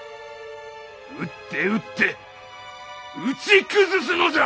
撃って撃って撃ち崩すのじゃ！